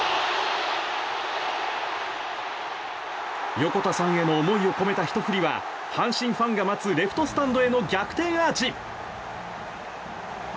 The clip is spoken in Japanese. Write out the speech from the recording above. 横田さんへの思いを込めたひと振りは阪神ファンが待つレフトスタンドへの逆転アーチ！